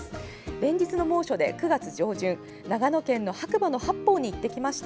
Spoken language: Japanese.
連日の猛暑で９月上旬、長野県の白馬八方に行ってきました。